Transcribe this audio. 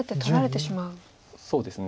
そうですね。